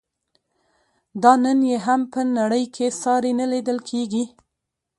دا نن یې هم په نړۍ کې ساری نه لیدل کیږي.